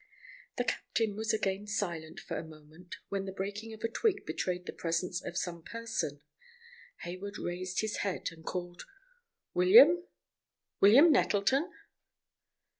The captain was again silent for a moment, when the breaking of a twig betrayed the presence of some person. Hayward raised his head and called: "William! William Nettleton!"